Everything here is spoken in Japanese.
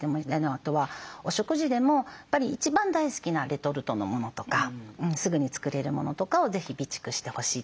あとはお食事でもやっぱり一番大好きなレトルトのものとかすぐに作れるものとかを是非備蓄してほしいと思います。